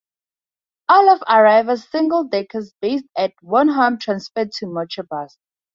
All of Arriva's single deckers based at Warnham transferred to Metrobus.